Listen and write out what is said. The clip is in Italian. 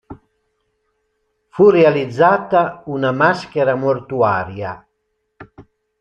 Fu realizzata una maschera mortuaria.